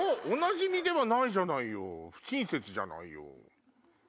おなじみではないじゃないよー、不親切じゃないよ。